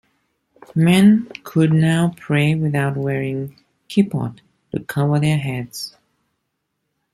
Men could now pray without wearing kippot to cover their heads.